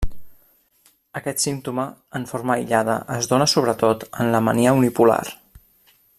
Aquest símptoma, en forma aïllada, es dóna sobretot en la mania unipolar.